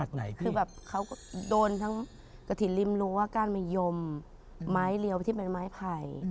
คือแบบเขาก็โดนทั้งกระถิ่นริมรั้วก้านมะยมไม้เรียวที่เป็นไม้ไผ่